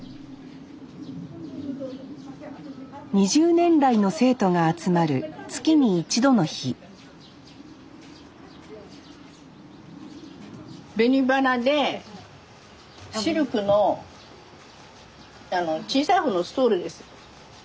２０年来の生徒が集まる月に一度の日紅花でシルクの小さい方のストールです。